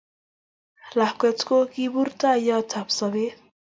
Lakwet ko kiprutaiyot ab sobet